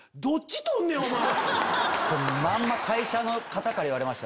まんま会社の方から言われました。